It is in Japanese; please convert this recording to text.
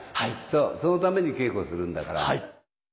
そのために稽古するんだから。